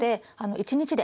１日で？